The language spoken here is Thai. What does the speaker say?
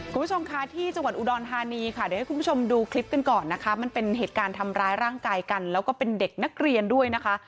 คุณผู้ชมคะที่จังหวัดอุดรธานีค่ะเดี๋ยวให้คุณผู้ชมดูคลิปกันก่อนนะคะมันเป็นเหตุการณ์ทำร้ายร่างกายกันแล้วก็เป็นเด็กนักเรียนด้วยนะคะ